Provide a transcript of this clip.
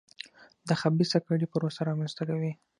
د خبیثه کړۍ پروسه رامنځته کوي.